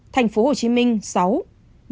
thành phố hồ chí minh sáu